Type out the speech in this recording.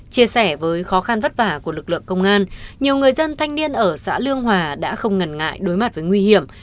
chia sẻ với khó khăn vất vả của lực lượng công an nhiều người dân thanh niên ở xã lương hòa đã không ngần ngại đối mặt với nguy hiểm